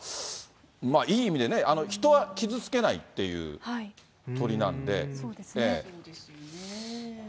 まあ、いい意味でね、人は傷つけないっていう鳥なんで。